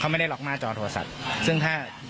เขาไม่ได้ล็อกหน้าจอโทรศัพท์